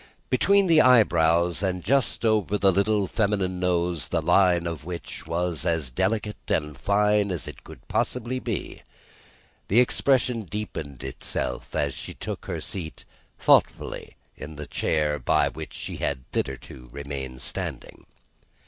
Between the eyebrows and just over the little feminine nose, the line of which was as delicate and fine as it was possible to be, the expression deepened itself as she took her seat thoughtfully in the chair by which she had hitherto remained standing.